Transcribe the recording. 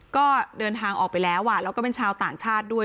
ก็เดินทางออกไปแล้วแล้วก็เป็นชาวต่างชาติด้วย